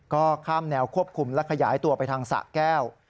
ก็ข้ามแนวควบคุมและขยายตัวไปทางสะแก้ว